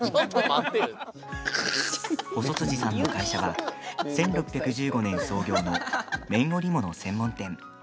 細辻さんの会社は１６１５年創業の綿織物専門店。